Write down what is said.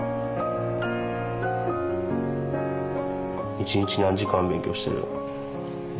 一日何時間勉強してるの？